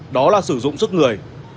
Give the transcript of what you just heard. đó là sử dụng sức người